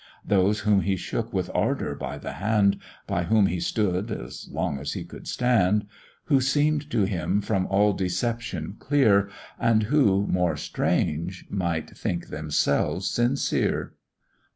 Those whom he shook with ardour by the hand, By whom he stood as long as he could stand, Who seem'd to him from all deception clear, And who, more strange! might think themselves sincere.